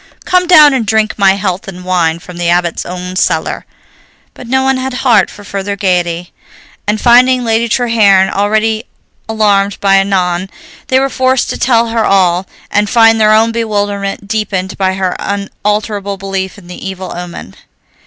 Come down and drink my health in wine from the Abbot's own cellar." But no one had heart for further gaiety, and, finding Lady Treherne already alarmed by Annon, they were forced to tell her all, and find their own bewilderment deepened by her unalterable belief in the evil omen.